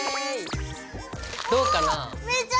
どうかな？